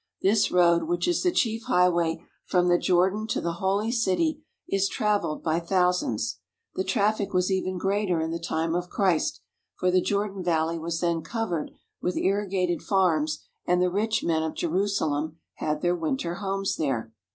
This road, which is the chief highway from the Jordan to the Holy City, is travelled by thousands. The traffic was even greater in the time of Christ, for the Jordan Valley was then covered with irrigated farms and the rich men of Jerusalem had their winter homes there.